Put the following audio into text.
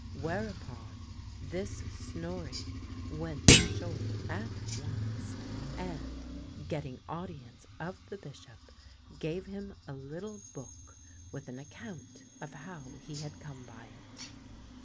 Whereupon this Snorri went ashore at once, and, getting audience of the Bishop, gave him a little book, with an account of how he had come by it.